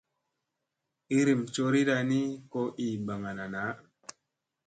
Iirim coriɗa ni ko ii ɓagana na.